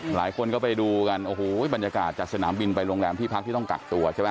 หลายคนก็ไปดูกันโอ้โหบรรยากาศจากสนามบินไปโรงแรมที่พักที่ต้องกักตัวใช่ไหม